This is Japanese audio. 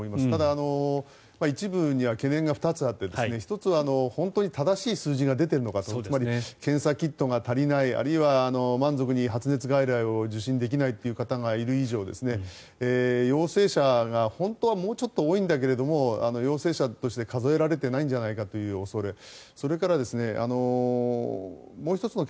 ただ、一部には懸念が２つあって１つは本当に正しい数字が出ているのかつまり検査キットが足りないあるいは満足に発熱外来を受診できないという方がいる以上陽性者が本当はもうちょっと多いんだけど陽性者として数えられてないんじゃないかという恐れ。